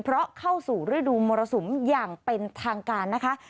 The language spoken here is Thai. เพราะเข้าสู่ฤดูมรสุมอย่างเป็นทางการนะคะ